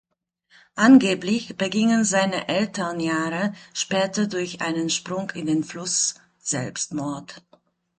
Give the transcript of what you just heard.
Angeblich begingen seine Eltern Jahre später durch einen Sprung in den Fluss Selbstmord.